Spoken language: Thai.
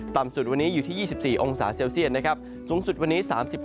ต่ำสุดวันนี้อยู่ที่๒๔องศาเซลเซียสสูงสุดวันนี้๓๖องศาเซลเซียส